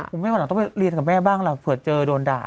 คุณแม่วันหลังต้องไปเรียนกับแม่บ้างล่ะเผื่อเจอโดนด่า